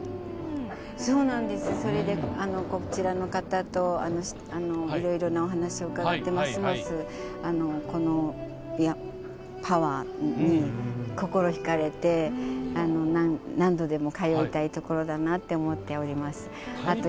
そうなんです、それでこちらの方にいろいろなお話を伺ってますます、パワーに心ひかれて何度でも通いたいところだなと思っています。